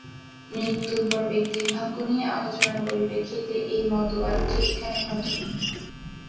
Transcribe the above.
মৃত্যুর পর ব্যক্তির ভাগ্য নিয়ে আলোচনার পরিপ্রেক্ষিতে এই মতবাদটি এখানে ঘটে।